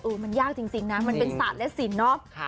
มันยากจริงนะมันเป็นศาสตร์และสินเนาะ